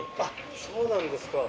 そうなんですか。